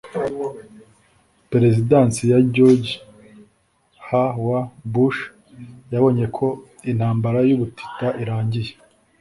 perezidansi ya george h. w. bush yabonye ko intambara y'ubutita irangiye